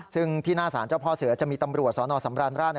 ซึ่งที่หน้าสารเจ้าพ่อเสือจะมีตำรวจสนสำราญราช